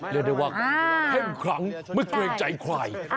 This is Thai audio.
เรียกได้ว่าเพิ่งขังไม่เกรงใจควาย